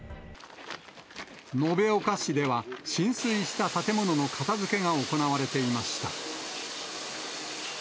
延岡市では、浸水した建物の片づけが行われていました。